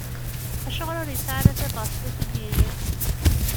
Acuɣer ur yesɛi ara tabɣest a t-id-yini?